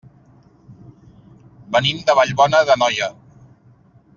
Venim de Vallbona d'Anoia.